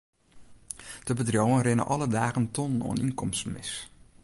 De bedriuwen rinne alle dagen tonnen oan ynkomsten mis.